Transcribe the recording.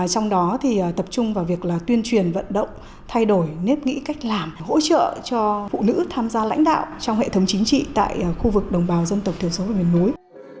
trong đó thì tập trung vào việc là tuyên truyền vận động thay đổi nếp nghĩ cách làm hỗ trợ cho phụ nữ tham gia lãnh đạo trong hệ thống chính trị tại khu vực đồng bào dân tộc thiểu số và miền núi